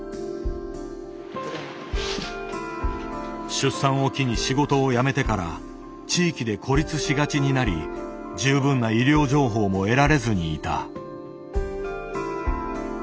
出産を機に仕事を辞めてから地域で孤立しがちになり十分な医療情報も得られずにいた。